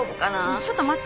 ちょっと待って。